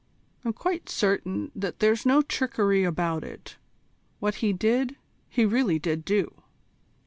I'm quite certain that there's no trickery about it. What he did, he really did do."